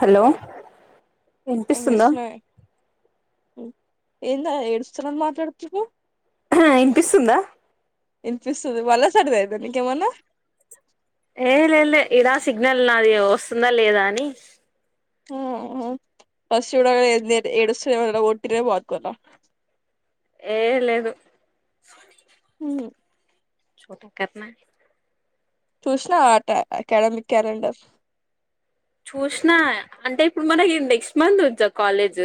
Hello ఏం వినిపిస్తుందా చేస్తున్నావే ఏంద ఏడుస్తురని మాట్లాడుతురు ఇనిపిస్తుందా ఇనిపిస్తుంది మళ్ళ సర్ది అయిందా నీకేమన్నా ఏ లే లే ఇడా సిగ్నల్ నాది వస్తుందా లేదా అని ఆ ఫస్ట్ సుడవే ఏంది ఏడుస్తున్నావా ఎవరైనా కొట్టిరెమో అనుకున్నా ఏ లేదు ఉమ్ చోటీ కర్నా చూసినవ ఆట అకాడమిక్ క్యాలెండర్ చూసిన అంటే ఇప్పుడు మనకి నెక్స్ట్ మంత్ నుంచ కాలేజ్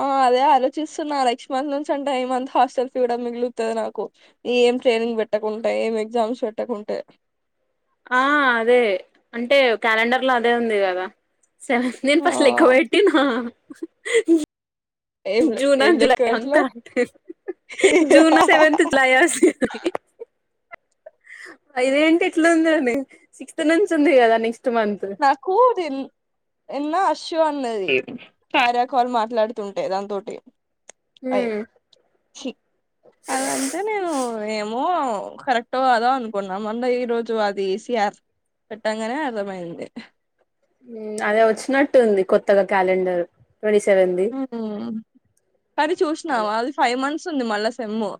ఆ అదే ఆలోచిస్తున్నా నెక్స్ట్ మంత్ నుంచి అంటే ఏ మంత్ హాస్టల్ ఫీ కూడా మిగులుతుంది నాకు ఏం ట్రైనింగ్ పెట్టకుంటే ఏం ఎగ్జామ్స్ పెట్టకుంటే ఆ అదే అంటే క్యాలెండర్ లో అదే ఉంది కదా సెవెన్ నేను ఆ ఫస్ట్ లెక్క పెట్టినా ఏం లె జూన్ ఆ ఏం లెక్క జూలై ఆ పెట్లా కంటే జూన్ సెవెన్త్ లాయాస్ ఇది ఏంటి ఇట్లా ఉందని సిక్స్త్ నుంచి ఉంది కదా నెక్స్ట్ మంత్ నాకు నిన్న అశు అన్నది కార్యాకాల్ మాట్లాడుతుంటే దాంతోటి అయ్యో మంత్ ఛీ అదంటే నేను ఏమో కరెక్ట్ కాదా అనుకున్నాం మొన్న ఈ రోజు అదిసి. ఎస్ పెట్టగానే అర్థమయింది. అదే వచ్చినట్టుంది కొత్తగా క్యాలెండర్. ట్వంటీ సెవెన్ ది. సనీ చూసినావా అది ఫైవ్ మంత్స్ ఉంది మళ్ళా సెమ్ము.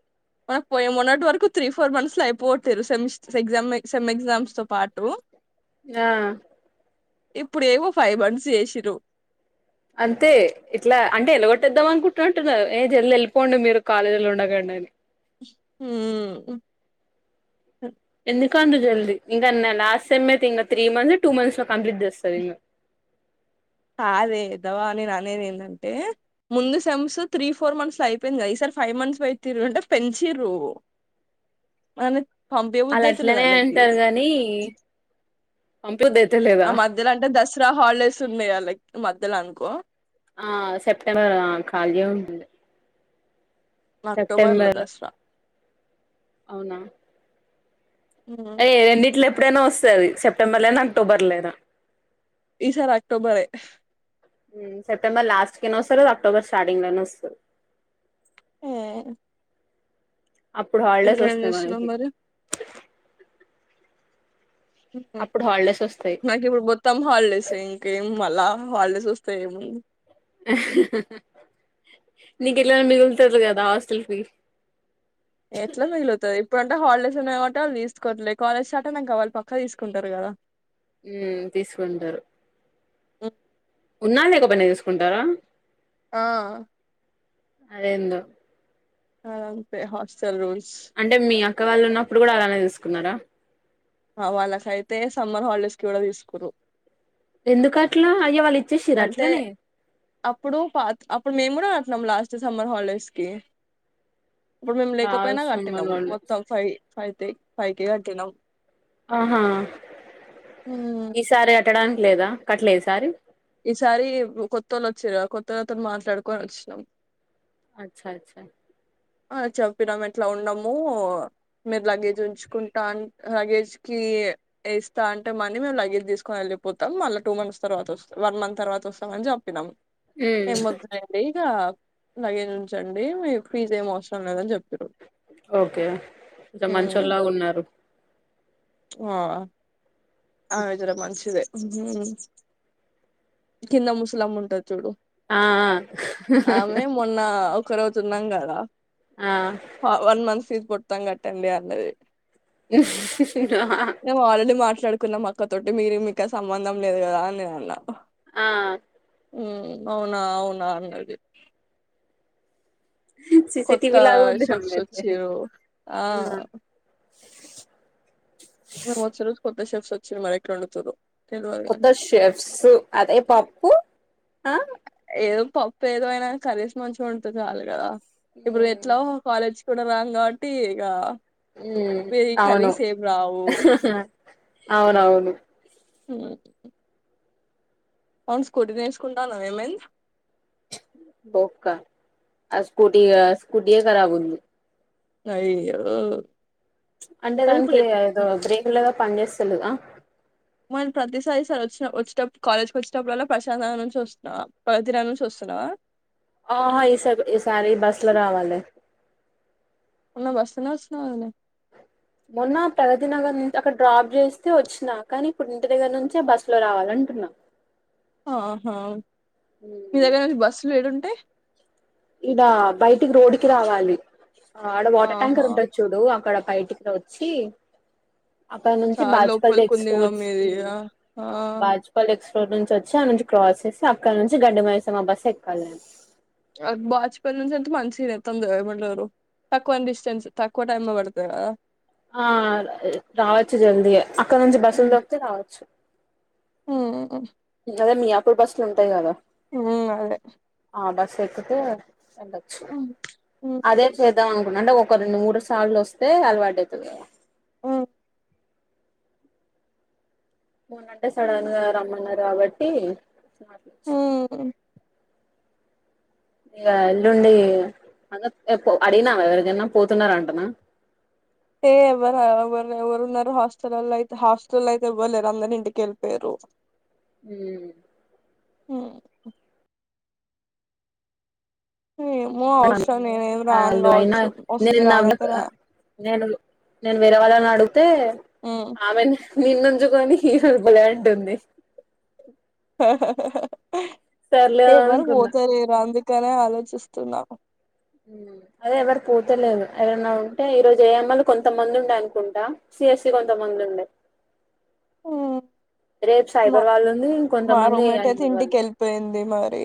మనకు పోయి మొన్నటి వరకు త్రీ ఫోర్ మంత్స్ లో అయిపోతారు సె ఎగ్జా సెమ్ ఎగ్జామ్స్ తో పాటు. ఆ. ఇప్పుడు ఏవో ఫైవ్ మంత్స్ చేసిర్రు. అంతే ఇట్లా అంటే వెల్లగొట్టేద్దాం అనుకుంటుంటున్నారు ఏ జల్ వెళ్ళిపోండి మీరు కాలేజీలో ఉండకండి అని. హ. ఎందుక అంతజల్దీ ఇంకన్నా లాస్ట్ టైమ్ అయితే ఇంకా త్రీ మంత్స్ టూ మంత్స్ లో కంప్లీట్ చేస్తారు ఇంకా. అదేద్దవా నేను అనేది ఏంటంటే. ముందు సెమ్స్ త్రీ ఫోర్ మంత్స్ లో అయిపోయింది. ఈసారి ఫైవ్ మంత్స్ పెట్టిర్రు అంటే పెంచిర్రు. [inaudible] అన. అళ్లా అట్లనే అంటారు గాని ఆ పంపిదుతలేదా. మధ్యలో అంటే దసరా హాలిడేస్ ఉన్నాయా లైక్ మధ్యలో అనుకో. ఆ సెప్టెంబర్ ఆ కాల్యం ఉంది. అక్టోబర్ లో సెప్టెంబర్ దసరా అవునా. ఉమ్. ఏయ్ ఈ రెండింటిలో ఎప్పుడైనా వస్తది సెప్టెంబర్ లైన అక్టోబర్ లైన. ఈసారి అక్టోబర్రే. సెప్టెంబ లాట్ కినే వస్తారు అక్టోబర్ స్టార్టింగ్ లోనే వస్తారు. ఆ. అప్పుడు హాలిడేస్ వస్తాయి చేస్తున్నాం మనకి. మరి అప్పుడు హాలిడేస్ వస్తాయి నాకు ఇప్పుడు పొత్తాం హాలిడేస్ ఇంకే మళ్ళ హాలిడేస్ వస్తా ఏముంది. నీకు ఎట్లానా మిగులుతారు కదా హాస్టల్ ఫీ. ఎట్లా మిగిలవుతది ఇప్పుడు అంట హాలిడేస్ ఉన్నాయి కాబట్టి వాళ్ళ తీసుకోట్లేదు కాలేజ్ స్టార్ట్ అయినాక వాళ్లు పక్కా తీసుకుంటారు కదా. ఉ తీసుకుంటారు. ఉమ్. ఉన్నా లేకపోయినా తీసుకుంటారా. ఆ. అదేందో. అది అంతే హాస్టల్ రూల్స్. అంటే మీ అక్క వాళ్ళు ఉన్నప్పుడు కూడా అలానే తీసుకున్నారా. అ వాళ్ళకైతే సమ్మర్ హాలిడేస్ కి కూడా తీసుకురు. ఎందుకు అట్లా అయ్య వాళ్. అంటే అప్పుడు పాత అప్పుడు మేము గూడా అట్లం లాస్ట్ సమ్మర్ హాలిడేస్ కి. అప్పుడు మేము లేకపోయినా లాస్ట్ సమ్మర్ కట్టినాము హాలిడేస్ మొత్తం five five K five K కట్టినాం. ఆహా ఉమ్ ఈసారి అట్టడానికి లేదా కట్టలే ఈసారి. ఈసారి కొత్త వాళ్ళ వచ్చారు కొత్త వాళ్ళతోను మాట్లాడుకొని వచ్చినాం. అచ్చ అచ్చ. ఆ చోప్పినాం ఇట్లా ఉండము. మీరు లగేజ్ ఉంచుకుంటా అన్ లగేజ్ కి. ఏస్తా అంటే మనీ మేము లగేజ్ తీసుకొని వెళ్ళిపోతాం మళ్ళీ టూ మంత్స్ తర్వాత వస్తా వ మంత్ తర్వాత వస్తాం అని చెప్పినామ్. మ్మ్ ఏం వద్దులే అండి ఇగా లగేజ్ వుంచండి మీ ఫీ. ఏం అవసరం లేదని చెప్పిరు. ఓకే జో మంచోలా ఉన్నారు. ఓ ఆ అవే జేరా మంచించిదే కింద ముసలమ్మా ఉంటది జూడు ఆఆ మొన్న ఒక రోజు ఉన్నాం గడా ఆ ఫా వన్ మంత్ ఫీజ్ కొడతాం గా టెన్ డే అన్నది. మీ ఆల్రెడీ మాట్లాడుకున్నం అక్కా తోటి మీరు మీకు సంబంధం లేదు గదా అని నేను అన్నా. ఆ ఉహ్ అవునా అవునా అన్నది. కొత్త సీసీటీవీ లాగా ఉంది అమ్మ షెప్స్ అట్లనే వచ్చిరు ఆ మేము వచ్చే రోజు కొత్త షెఫస్ వచ్చా మరి ఎట్లా వండుతురో తెలవదు కొత్త కానీ షెఫ్స్ అదే పప్పు ఆ ఏదో పప్పు ఏదో ఐనా కర్ర్సీ మంచిగా వండితే చాలు గదా ఇప్పుడు మ్మ్ ఎట్లా ఓ కాలేజ్ కూడా రాం గావట్టి ఇగా ఉహ్ అవును అవునవును ఉహ్ అవును స్కూటీ నేర్చుకుంటాన్నావ్ ఏమైన్ పొక్కా ఆ స్కూటీగా స్కూటీయే కరాబ్ ఉంది. అయ్యో అంటే మరి ఇప్పుడు దానికి ఎట్ ఏదో బ్రేకులగా పని జేస్తలేవా మ ప్రతిసారి సారి వచ్చిన వచ్చేటప్పుడు కాలేజ్కి వచ్చేటప్పు వల్లా ప్రశాంతంగా నుంచి వస్తున్నావా ప్రదిన నుంచి వస్తున్నావా. ఆహ్ ఈసాబ్ ఈసారి ఈ బస్లా రావాలే. మొన్న బస్సులోనే వచ్చినవ్ గాదనే మొన్న ప్రగతి నగర్ నున్ అక్కడ డ్రాప్ జేస్తే వచ్చినా కానీ ఇప్పుడు ఇంటి దగ్గర నుంచే బస్సు లో రావాలంటున్నా ఆహా మీ మ్మ్ దగ్గర నుంచి బస్సులు ఏడుంటై ఇడా బయటికి రోడ్కి రావాలి. అడా వాటర్ ఆహా! ట్యాంకర్ ఉండొచ్చు. చూడు అక్కడ కైటికనా వచ్చి అక్కడ నుంచి చాలా బాజ్పల్ లోపలికి ఉందిగా ఎక్స్పోర్ట్స్ మీది. కి ఆ! ఆ! బాచ్ ఉప్పల్ ఎక్స్ రోడ్ నుంచి వచ్చి ఆ నుంచి క్రాస్ చేసి అక్కడ నుంచి గడ్డి మైసమ్మ బస్సు ఎక్కలేం. అద్ బాచ్ పెల్లి నుంచి ఎంత మంచిద్ ఎత్తాందే ఏమంటారు. తక్కువ డిస్టెన్స్ తక్కువ టైమ్ బడ్తాద్గా ఆ రావచ్చు జల్దీగా అక్కడ నుంచి బస్సులు దొరికితే రావచ్చు. ఉహుహ్ అదే మీయాపూర్ బస్సులు ఉంటాయి గదా ఉహ్మ్ వాళ్ళే ఆ బస్ ఎక్కితే వెళ్ళొచ్చు హ్మ్. హ్మ్. అదే చేద్దాం అనుకున్న అంటే ఒక రెండు మూడుస్ తాలోస్తే అలవాటాయితది గదా ఉహ్ ఉన్నాటే సడన్ గా రమ్మన్నారు గాబట్టి హ్మ్. ఇగా ఎల్లుండి ఆగప్ ఎపో అడిగినావా ఎవరిదన్న పోతున్నార్ అంటనా ఏ ఎవరా ఎవరు ఎవరు ఉన్నారు హాస్టల్లైతే హాస్టలో అయితే ఏవర్లేరు అందరి ఇంటికి ఏళ్ళిపోయిర్రు. ఉహ్మ్ ఉహ్ ఏమో అవసరం నేనేం [unintelligible] రాను ఆల్లు అయినా కావచ్చు మరి వస్తే [unintelligible] రానైతే రా నేనుగు నేను వేరే వాళ్ళని అడిగితే ఉమ్ ఆమె నిన్నుంచుకొని రుబ్బలే అంటుంది సర్లే ఎవరు అనుకున్నా పోతలేరు అందుకనే ఆలోచిస్తున్నా అదే ఎవరి పోతేలేదు ఎవరన్నా ఉంటే ఈ రోజు ఏయమ్మలు కొంతమంది ఉండయ్ అనుకుంటా సిస్ఇ కొంత మంది ఉండే ఉమ్ రేపు మా సైబర్ వాళ్ళుని ఉంది మా ఇంకొంతమంది రూమ్మేట్ ఎఅయ్ అయితే మల్ ఇంటికి వాళ్ళని వెళ్ళిపోయింది మరి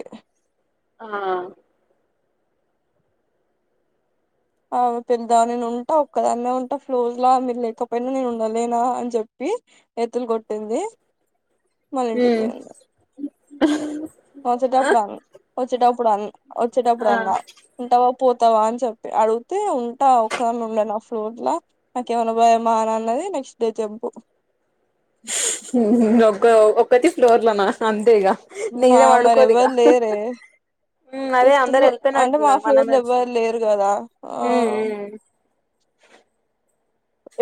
ఆ ఆ పెదాన్నే ఉంటా ఒక్కదాన్నె ఉంటా ఫ్లోజ్లా మీరు లేకపోయినా నేను ఉండలేనా అని చెప్పి ఎత్తులు కొట్టింది మళ్ళ ఇంటికి మ్ వచ్చటప్పుడన్ వచ్చిటప్పుడన్ ఆ వచ్చిటప్పుడన్నా ఉంటావా పోతావా అని చెప్పి అడిగుతే ఉంటా ఒక ఉండనా ఫ్లోర్ లో నాకేమన్నా భయమా అని అన్నది నెక్స్ట్ డే జంపు ఒగ్గో ఒకతి ఫ్లోర్ లోనా అంతే ఇగ ఆ మీదా మరి పడుకొదిగా ఎవ్వరు లేరే మ్ అదే ఫిఫ్త్ అందరు ఫ్లో అంటే మా వెళ్ళిపోయినట్టున్నారు ఫ్లోర్ మనమే లో ఎవ్వరు వచ్చినం లేరు కదా ఆ మ్ మ్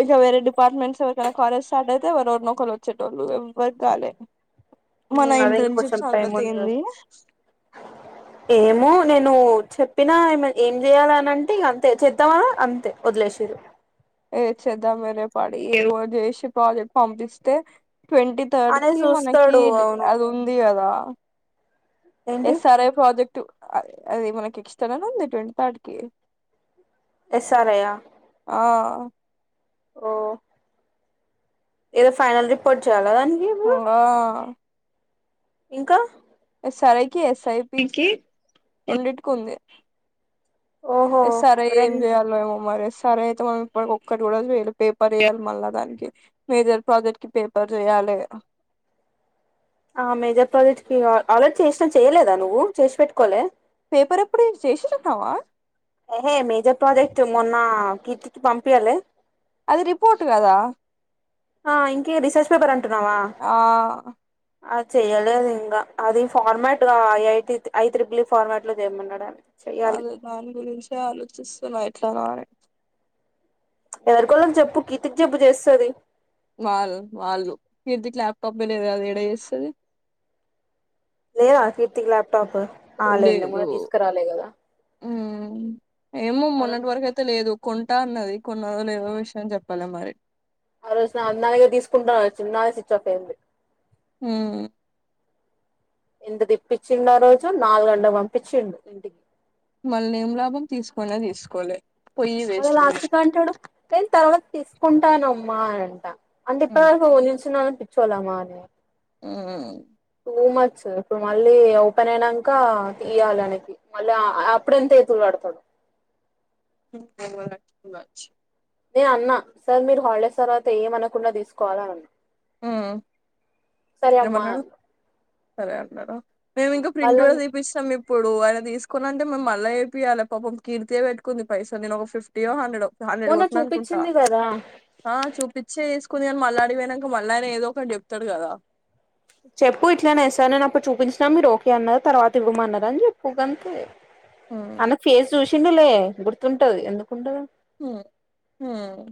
ఇక వేరే డిపార్ట్మెంట్స్ ఎవరికైనా కాలేజ్ స్టార్ట్ అయితే ఎవరన్నా నొకరు వచ్చేటోళ్ళు ఎవరికి గాలే మ్ అదేం కొంచెం టైం పడుతున్నట్టు ఏంది ఉంది ఏమో నేను చెప్పినా ఏ ఏం చేయాల అనింటే అంతే చేద్దామా అంతే వదిలేసిరు ఏ చేద్దాం వేరే పాడి ఏదోవోకటి చేసి ప్రాజెక్ట్ పంపిస్తే ట్వంటీ థర్డ్ అనే కి మనకి చూస్తాడు అవును అది ఉంది గదా ఏంటి ఎస్ఆర్ఐ ప్రాజెక్ట్ అది మనకి ఇస్తాననంది ట్వంటి థర్డ్ కి ఎస్ ర్ ఐ ఆ ఆ ఓ ఏదో ఫైనల్ రిపోర్ట్ చేయాలా దానికి ఇం ఇప్పుడు గా ఇంకా ఎస్ఆర్ఐకి ఎస్ఐపికిి రెండిటికి ఉంది. ఓహో ఎస్ ర్ ఐ రెం ఏం జెయాలో ఏమో మారేసు సరే అయితే మనం ఇప్పటికీ ఒక్కటి గుడా చేయాలె పేపర్ ఇయాలి మళ్ళా దానికి మేజర్ ప్రాజెక్ట్ కి పేపర్ చేయ్యాలె ఆ మేజర్ ప్రాజెక్ట్ కి ఆల్రెడీ చేసినా చేయలేదా నువ్వు చేసి పెట్టుకోవలే పేపర్ ఎప్పుడు చేసెసున్నావా హేహే మేజర్ ప్రాజెక్ట్ మొన్న కీర్తికి పంపియలే అది రిపోర్ట్ గదా ఆ ఇంకే రీసెర్చ్ పేపర్ అంటున్నావా ఆ అది చెయ్యాదింగా అది ఫార్మాట్ గ I I T I triple E format లో చేయమన్నాడది అదే దాని గురించే ఆలోచిస్తున్నా ఎట్లన అని ఎవరికోవారికి చెప్పూ కీర్తికి చెప్పు చేస్తది వాళ్ళ వాళ్ళు కీర్తికి లాప్టాప్ పే లేదు కదా ఎడా చేస్తది లేద కీర్తికి ల్యాప్టాప్పూ లేదు ఉహ్ ఏమో ఆ రోజు మొన్నటి వరకు అయి తె లేదు కొంటా అన్నది కొన్నదోలేదో విషయం చెప్పలేమరి. ఆ రోజు నన్నడిగే తీసుకుంటా అని వచ్చింది నాదే స్విచ్ ఆఫ్ అయింది. హ్ ఎంత తిప్పిచ్చిండు ఆ రోజు నాలుగంట్లకి పంపించ్చిండు ఇంటికి. మళ్ళేం లాభం తీసుకోనే తీసుకోలే పొయ్యి మళ్ళీ వేస్ట్. లాస్ట్ కి అంటాడు నేను తర్వాత తీసుకుంటానమ్మా అని అంటా, అది ఉమ్ చెప్పదానికి నిల్చోన్నోళ్ళం పిచ్చోళ్ళమానే. హ్ టూ మచ్ ఇప్పుడు మళ్ళీ ఓపెన్ అయినంకా ఇయ్యాలే ఆయనకి. మళ్ళా అప్పుడెంత ఏతులుపడుతడు. [inaudible] నేను అన్నా సార్ మీరు హాలిడేస్ తర్వాత ఏమనకుండా తీసుకోవాలే అనన్నా. ఉమ్ అమ్మా ఏమన్నడు సరే అన్నడా మేము ఇంకా ప్రింట్ వాళ్ళ కూడా తీ పిస్తం, ఇప్పుడు ఆయన తీసుకోనంటే మేము మళ్ళా చేపియాలే. పాపం కీర్తే పెట్టుకుంది పైసలు నేను ఒక ఫిఫ్టీయో హండ్రెడో హండ్రెడ్ మొన్న కొట్టినా అనుకుంటా. చూపించింది కదా ఆ చూపిచ్చే తీసుకుంది కానీ మళ్ళా ఆడికి పోయినంకా మళ్ళా ఆయన ఏదో ఒకటి చెప్తడు కదా. చెప్పు ఇట్లనే సార్ నేను అప్పుడు చూపించినా మీరు ఓకే అన్నరు తర్వాత ఇవ్వమన్నరు అని చెప్పు గంతే. సార్ పదే పదే అడుగుతారు ఏమీ కంప్లీట్ అ అనేసి ఆ ఆనేకు ఫేస్ చూశిండులే గుర్తుంటది ఎందుకుండదు. హ్ హ్మ్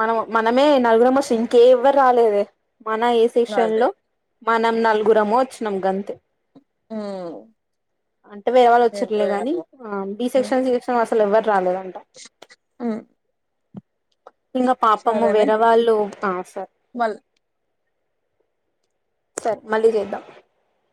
మనము మనమే నలుగురం సి ఇంక ఎవ్వరు రాలేదే మన ఏ అదే సెషన్లో. మనం నలుగురము వచ్చినం గంతే. హ్ అంటే వేరే వాళ్ళు వచ్చిర్లే గాని. ఆ బి సెక్షన్, సి సెక్షన్ వాళ్ళు అసలు ఎవరు రాలేదంటా. హ్ ఇంగ పాపము వేరే వాళ్ళు ఆ సరే. వళ్ సరే మళ్ళీ చేద్దాం.